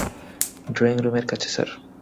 Drawing রুমের কাছে sir.